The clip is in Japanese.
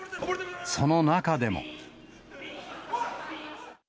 その中でも。